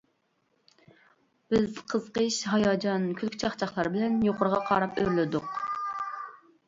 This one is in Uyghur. بىز قىزىقىش، ھاياجان، كۈلكە-چاقچاقلار بىلەن يۇقىرىغا قاراپ ئۆرلىدۇق.